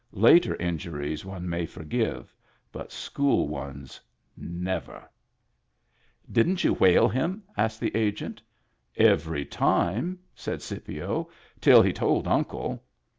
Later injuries one may forgive, but school ones never. " Didn't you whale him ?" asked the Agent. " Every time," said Scipio, " till he told Uncle.